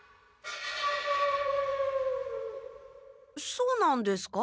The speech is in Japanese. そうなんですか？